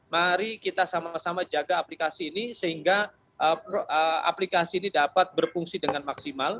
mari kita sama sama jaga aplikasi ini sehingga aplikasi ini dapat berfungsi dengan maksimal